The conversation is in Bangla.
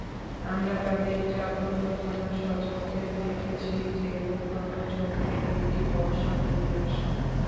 আমরা তাদের যাদু-নৈপুণ্য স্বচক্ষে দেখেছি যে, ঘন ঝোঁপ থেকে একটি বর্শা বেরিয়ে আসে।